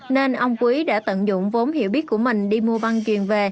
nên ông quý đã tận dụng vốn hiểu biết của mình đi mua băng truyền về